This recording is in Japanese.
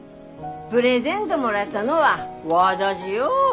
プレゼントもらったのは私よ？